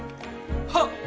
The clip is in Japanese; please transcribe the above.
はっ！